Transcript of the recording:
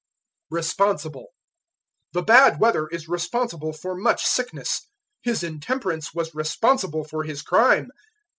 Responsible. "The bad weather is responsible for much sickness." "His intemperance was responsible for his crime."